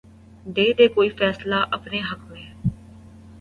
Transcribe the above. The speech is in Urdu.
دے دے کوئی فیصلہ اپنے حق میں